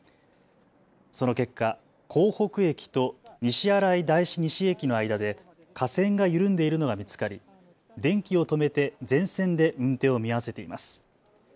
その結果、江北駅と西新井大師西駅の間で架線が緩んでいるのが見つかり電気を止めて全線で運転を見合わせています。